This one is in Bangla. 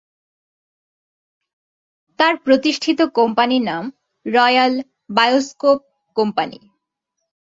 তার প্রতিষ্ঠিত কোম্পানির নাম রয়্যাল বায়োস্কোপ কোম্পানি।